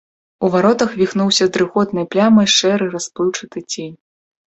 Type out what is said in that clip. У варотах віхнуўся дрыготнай плямай шэры расплыўчаты цень.